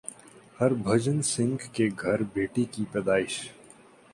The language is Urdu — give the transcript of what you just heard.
ہربھجن سنگھ کے گھر بیٹی کی پیدائش